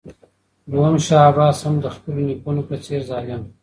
دوهم شاه عباس هم د خپلو نیکونو په څېر ظالم و.